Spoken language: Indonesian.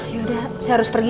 yaudah saya harus pergi